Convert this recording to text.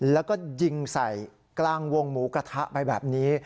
แล้วก็ยิงใส่กลางวงหมูกระทะไปแบบนี้